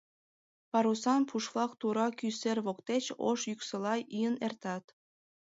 Парусан пуш-влак тура кӱ сер воктеч ош йӱксыла ийын эртат.